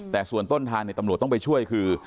แต่ส่วนทางตำรวจไปช่วยคือ